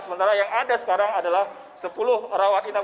sementara yang ada sekarang adalah sepuluh rawat inap